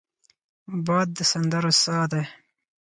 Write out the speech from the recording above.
باد د سندرو سا دی